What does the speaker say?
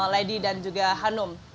lady dan juga hanum